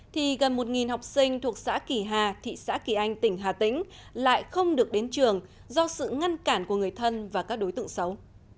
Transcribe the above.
thì gần một học sinh thuộc xã kỳ hà thị xã kỳ anh tỉnh hà tĩnh lại không được đến trường do sự ngăn cản của người thân và các đối tượng xấu